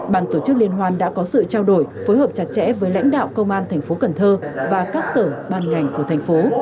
bàn tổ chức liên hoan đã có sự trao đổi phối hợp chặt chẽ với lãnh đạo công an thành phố cần thơ và các sở ban ngành của thành phố